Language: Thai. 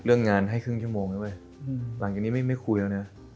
เรื่องงานให้ครึ่งชั่วโมงใช่ไหมหลังจากนี้ไม่คุยแล้วนะ